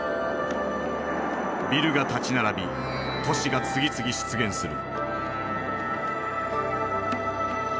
ビルが立ち並び都市が次々出現する。